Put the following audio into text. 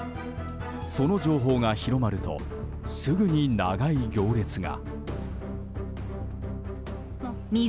その情報が広まるとすぐに長い行列が。